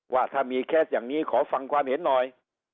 ว่าถ้ามีเคสอย่างนี้ขอฟังความเห็นหน่อย